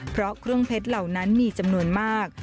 เพราะเครื่องเพชรเหล่านั้นมีจำนวนมาก